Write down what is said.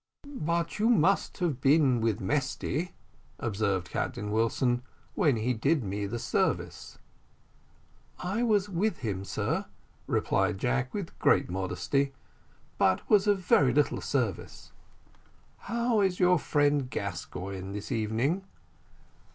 "But you must have been with Mesty," observed Captain Wilson, "when he did me the service." "I was with him, sir," replied Jack, with great modesty, "but was of very little service." "How is your friend Gascoigne this evening?"